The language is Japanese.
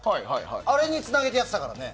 あれにつなげてやってたからね。